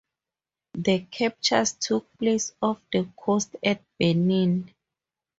The captures took place off the coast at Benin.